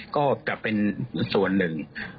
ก็จะเป็นส่วนหนึ่ง